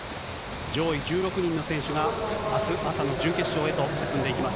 上位１６人の選手が、あす朝の準決勝へと進んでいきます。